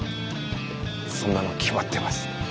そんなの決まってます。